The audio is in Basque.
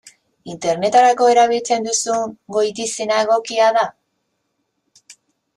Interneterako erabiltzen duzun goitizena egokia da?